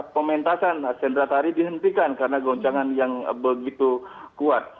pementasan sendratari dihentikan karena goncangan yang begitu kuat